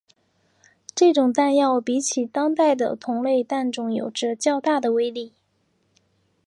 这种弹药比起当代的同类弹种有着较大的威力。